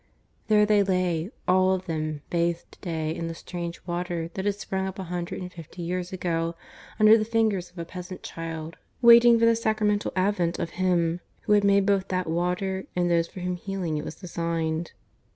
There they lay, all of them bathed to day in the strange water that had sprung up a hundred and fifty years ago under the fingers of a peasant child, waiting for the sacramental advent of Him who had made both that water and those for whose healing it was designed.